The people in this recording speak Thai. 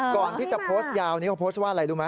ก่อนที่จะโพสต์ยาวนี้เขาโพสต์ว่าอะไรรู้ไหม